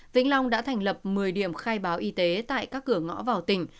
vĩnh long đã thành lập một mươi điểm khai báo y tế tại các cửa ngõ vào tỉnh